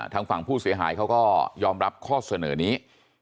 ทางฝั่งผู้เสียหายเขาก็ยอมรับข้อเสนอนี้